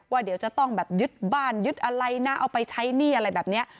เดี๋ยวจะต้องแบบยึดบ้านยึดอะไรนะเอาไปใช้หนี้อะไรแบบนี้